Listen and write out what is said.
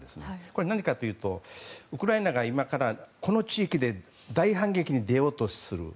これは何かというとウクライナが今からこの地域で大反撃に出ようとする。